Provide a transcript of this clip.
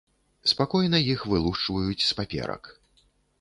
Спакойна іх вылушчваюць з паперак.